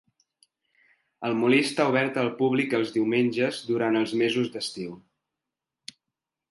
El molí està obert al públic els diumenges durant els mesos d'estiu.